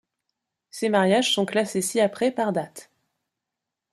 Ces mariages sont classés ci-après par date.